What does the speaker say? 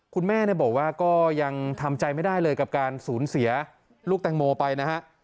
คุณแม่บอกว่าก็ยังทำใจไม่ได้เลยกับการสูญเสียลูกแตงโมไปนะฮะ